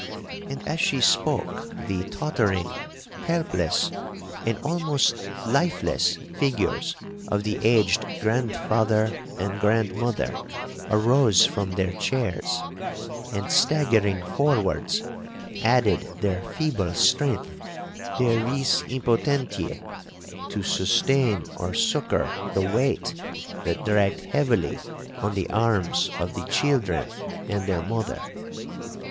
'—and as she spoke, the tottering, helpless, and almost lifeless figures of the aged grandfather and grandmother arose from their chairs, and staggering forwards, added their feeble strength,—their vis impotentiæ, to sustain or succour the weight that dragged heavily on the arms of the children and their mother.